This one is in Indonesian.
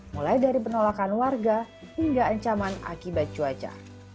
mulai dari penolakan warga hingga ancaman akibat cuaca